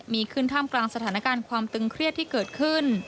มีขึ้นท่ามกลางสถานการณ์ความตึงเครียดที่เกิดขึ้น